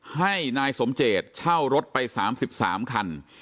ให้นายสมเจตเช่ารถไป๓๓คัน